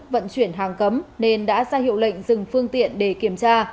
vận chuyển hàng cấm nên đã ra hiệu lệnh dừng phương tiện để kiểm tra